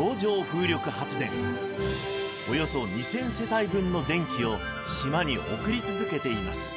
およそ２，０００世帯分の電気を島に送り続けています。